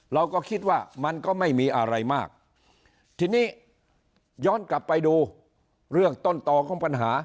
เราก็คิดว่ามันก็ไม่มีอะไรมากทีนี้ย้อนกลับไปดูเรื่องต้นต่อของปัญหา